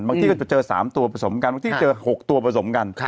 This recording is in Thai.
บางทีก็เจอสามตัวผสมกันบางทีก็เจอหกตัวผสมกัน